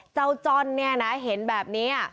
จ้อนเนี่ยนะเห็นแบบนี้